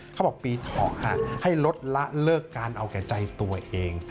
เขาบอกปี๒ให้ลดละเลิกการเอาแก่ใจตัวเอง